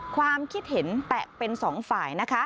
ความคิดเห็นแตะเป็นสองฝ่ายนะคะ